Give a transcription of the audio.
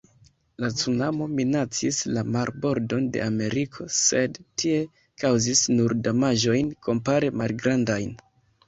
La cunamo minacis la marbordon de Ameriko, sed tie kaŭzis nur damaĝojn kompare malgrandajn.